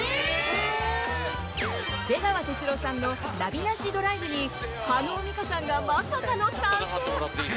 出川哲朗さんのナビなしドライブに叶美香さんがまさかの参戦。